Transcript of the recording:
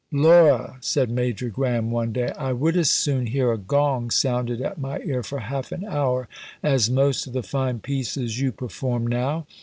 "Laura!" said Major Graham, one day, "I would as soon hear a gong sounded at my ear for half an hour, as most of the fine pieces you perform now.